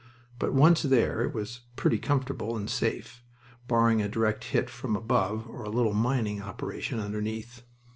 But, once there, it was pretty comfortable and safe, barring a direct hit from above or a little mining operation underneath.